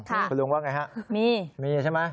ค่ะคุณลุงว่าไงฮะมีใช่มั้ย